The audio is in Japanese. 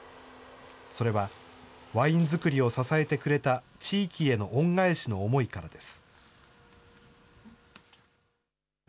それは、ワイン造りを支えてくれた地域への恩返しの思いからです。